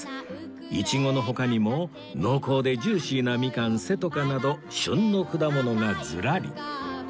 イチゴの他にも濃厚でジューシーなミカンせとかなど旬の果物がずらり